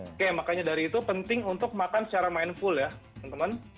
oke makanya dari itu penting untuk makan secara mindful ya teman teman